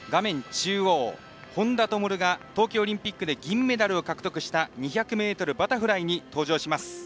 中央、本多灯が東京オリンピックで銀メダルを獲得した２００ｍバタフライに登場します。